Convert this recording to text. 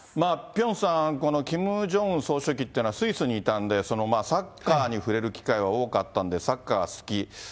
ピョンさん、このキム・ジョンウン総書記というのはスイスにいたんで、サッカーに触れる機会は多かったんで、サッカー好き。